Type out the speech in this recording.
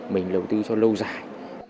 mình đầu tư cho lâu dài